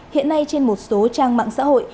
hiện nay trên một số trang mạng xã hội